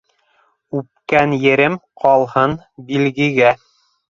Үпкән ерем калһын билгегә...